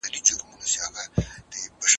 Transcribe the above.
غزل مي درلېږمه خوښوې یې او که نه